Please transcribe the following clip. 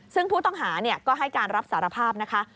ซึ่งผู้ต้องหาก็ให้การรับสารภาพนะคะ